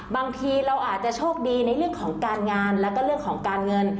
บางทีเราอาจจะโชคดีในเรื่องของการงานแล้วก็เรื่องของการเงิน